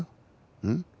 うん？